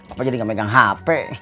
apa jadi gak megang hp